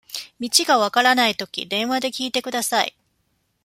道がわからないとき、電話で聞いてください。